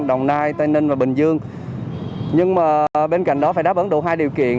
đồng nai tây ninh và bình dương nhưng mà bên cạnh đó phải đáp ứng đủ hai điều kiện